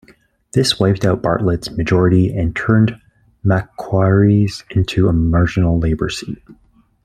This wiped out Bartlett's majority and turned Macquarie into a marginal Labor seat.